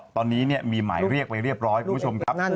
ตอนนี้มีหมายเรียกไปเรียบร้อยคุณผู้ชมครับ